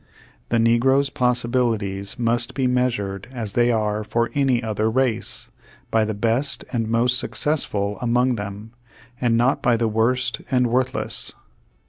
The negro's possibilities must be m.easured as they are for any other race, by the best and most successful among them, and not by the worst and worthless.